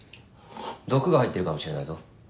毒が入ってるかもしれないぞ。